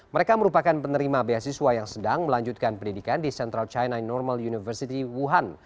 mereka merupakan penerima beasiswa yang sedang melanjutkan pendidikan di central china normal university wuhan